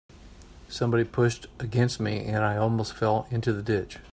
Somebody pushed against me, and I almost fell into the ditch.